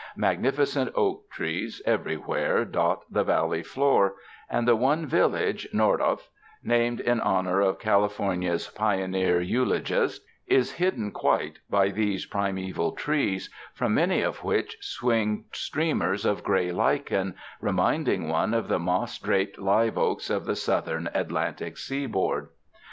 Magnifi cent oak trees everywhere dot the valley floor, and the one village — Nordhoff, named in honor of Cali fornia's pioneer eulogist — is hidden quite by these primeval trees, from many of which swing streamers of gray lichen, reminding one of the moss draped live oaks of the Southern Atlantic seaboard.